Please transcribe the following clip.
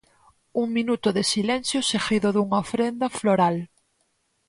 Un minuto de silencio seguido dunha ofrenda floral.